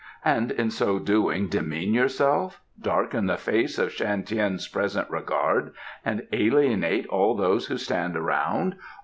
"And in so doing demean yourself, darken the face of Shan Tien's present regard, and alienate all those who stand around!